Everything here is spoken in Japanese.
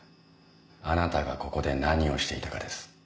あなたがここで何をしていたかです。